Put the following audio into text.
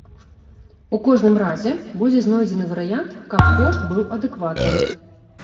У кожным разе, будзе знойдзены варыянт, каб кошт быў адэкватны.